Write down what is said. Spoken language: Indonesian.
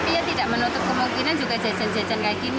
ya tidak menutup kemungkinan juga jajan jajan kayak gini